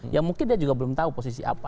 ya mungkin dia juga belum tahu posisi apa